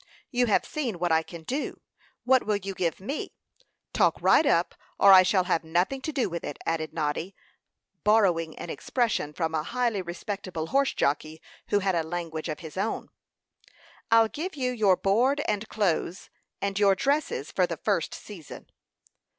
"You have seen what I can do what will you give me? Talk right up, or I shall have nothing to do with it," added Noddy, borrowing an expression from a highly respectable horse jockey, who had a language of his own. "I'll give you your board and clothes, and your dresses for the first season."